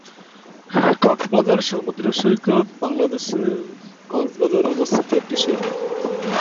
কক্সবাজার সমুদ্র সৈকত বাংলাদেশের কক্সবাজারে অবস্থিত একটি সৈকত।